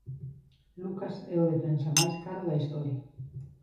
Lucas é o defensa máis caro da historia.